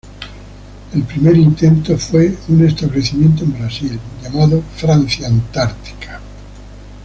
El primer intento fue un establecimiento en Brasil, llamado Francia Antártica.